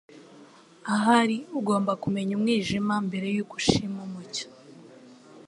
Ahari ugomba kumenya umwijima mbere yuko ushima umucyo.”